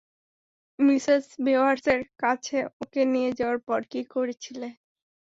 Mrs বেওয়্যার্সের কাছে ওকে নিয়ে যাওয়ার পর কী করছিলে?